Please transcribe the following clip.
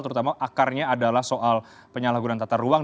terutama akarnya adalah soal penyalahgunaan tata ruang